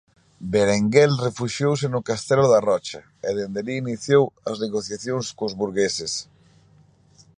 Berenguel refuxiouse no Castelo da Rocha e dende alí iniciou as negociacións cos burgueses.